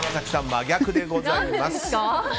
真逆でございます。